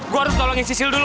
gue harus tolongin sisil dulu